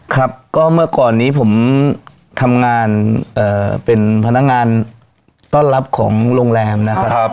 ครับก็เมื่อก่อนนี้ผมทำงานเป็นพนักงานต้อนรับของโรงแรมนะครับ